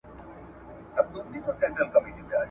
له سهاره راته ناست پر تش دېګدان دي ,